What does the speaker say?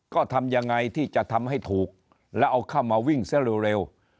ก็ทำยังไงที่จะทำให้ถูกแล้วเอาเข้ามาวิ่งซะเร็ว